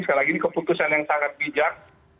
sekali lagi ini keputusan yang sangat bijak